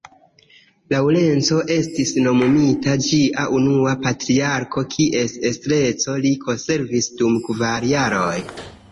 Laŭrenco estis nomumita ĝia unua patriarko kies estreco li konservis dum kvar jaroj.